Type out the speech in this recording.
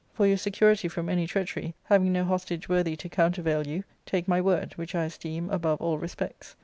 For your security from any treachery, having no hostage worthy to countervail you, take my word, which I esteem above all respects.